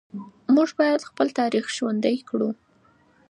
موږ باید خپل تاریخ ژوندي کړو.